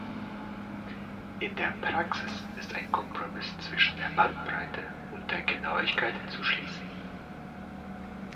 In der Praxis ist ein Kompromiss zwischen der Bandbreite und der Genauigkeit zu schließen.